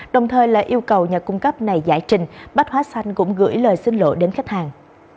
đồng thời là yêu cầu nhà cung cấp này giải trình bách hóa xanh cũng gửi lời xin lỗi đến khách hàng